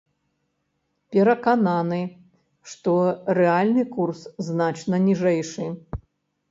Перакананы, што рэальны курс значна ніжэйшы.